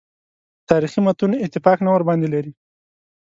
تاریخي متون اتفاق نه ورباندې لري.